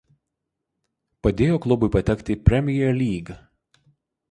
Padėjo klubui patekti į Premier League.